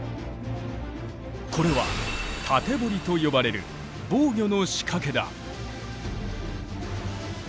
これは「竪堀」と呼ばれる防御の仕掛けだ。